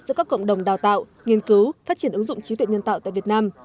giữa các cộng đồng đào tạo nghiên cứu phát triển ứng dụng trí tuệ nhân tạo tại việt nam